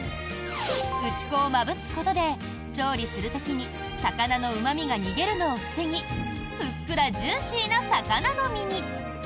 打ち粉をまぶすことで調理する時に魚のうま味が逃げるのを防ぎふっくらジューシーな魚の身に。